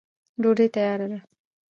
ډوډۍ تیاره ده.